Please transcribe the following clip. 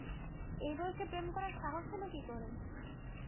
এই বয়সে প্রেম করার সাহস হলো কি করে?